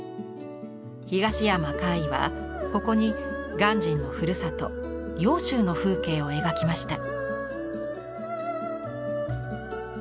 東山魁夷はここに鑑真のふるさと揚州の風景を描きました。